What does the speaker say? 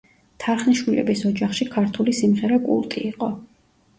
თარხნიშვილების ოჯახში ქართული სიმღერა კულტი იყო.